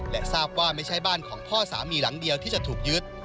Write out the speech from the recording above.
และทราบว่าไม่ใช่บ้านของพ่อสามีหลังเดียวที่จะถูกยึด